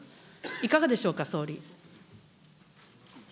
いかがでしょうか、総理。